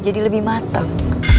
jadi lebih matang